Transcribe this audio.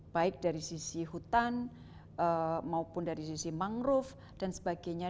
baik dari sisi hutan maupun dari sisi mangrove dan sebagainya